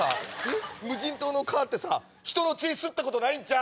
無人島の蚊ってさ人の血吸ったことないんちゃう？